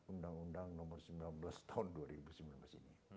undang undang nomor sembilan belas tahun dua ribu sembilan belas ini